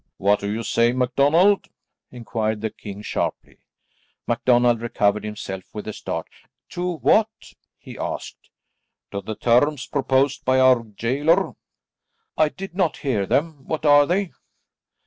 "What do you say, MacDonald?" enquired the king sharply. MacDonald recovered himself with a start. "To what?" he asked. "To the terms proposed by our gaoler." "I did not hear them; what are they?"